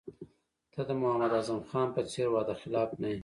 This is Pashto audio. ته د محمد اعظم خان په څېر وعده خلاف نه یې.